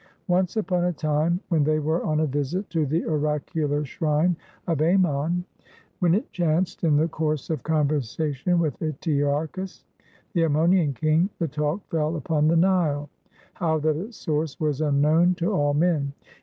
Once upon a time, when they were on a \isit to the oracular shrine of Amnion, when 404 THE VILLAGE OF DWARFS it chanced in the course of conversation with Etearchus, the Ammonian king, the talk fell upon the Nile — how that its source was unknown to all men.